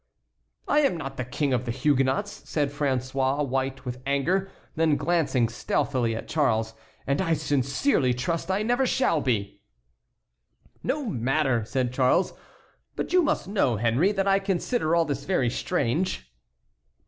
"I am not king of the Huguenots," said François, white with anger; then, glancing stealthily at Charles, "and I sincerely trust I never shall be!" "No matter!" said Charles, "but you must know, Henry, that I consider all this very strange."